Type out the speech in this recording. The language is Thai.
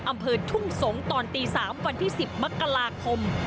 อำเภอทุ่งสงศ์ตอนตี๓วันที่๑๐มกราคม